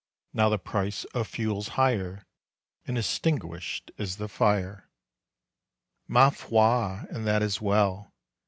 Now the price of fuel's higher, And extinguished is the fire, Ma foi! and that is well.